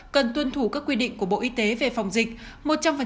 cần tuân thủ các quy định của bộ y tế về phòng dịch